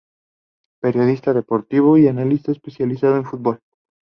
Periodista deportivo y analista especializado en fútbol.